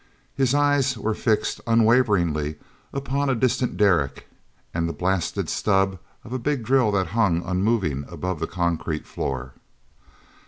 His eyes were fixed unwaveringly upon a distant derrick and the blasted stub of a big drill that hung unmoving above the concrete floor.